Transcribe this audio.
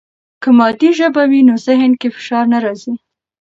که مادي ژبه وي، نو ذهن کې فشار نه راځي.